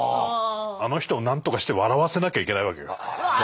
あの人をなんとかして笑わせなきゃいけないわけよ。